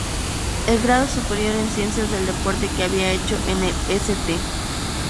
El grado superior en Ciencias del Deporte que había hecho en el St.